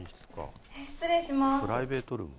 失礼します。